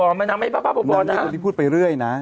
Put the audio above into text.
นางไม่ปะปะปะปะนางไม่เป็นคนที่พูดไปเรื่อยนะ